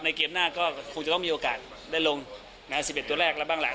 เกมหน้าก็คงจะต้องมีโอกาสได้ลง๑๑ตัวแรกแล้วบ้างหลัง